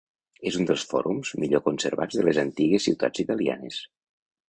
És un dels fòrums millor conservats de les antigues ciutats italianes.